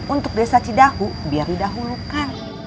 untuk desa cidahu biar didahulukan